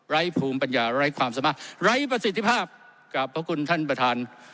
ภูมิปัญญาไร้ความสามารถไร้ประสิทธิภาพกราบพระคุณท่านประธาน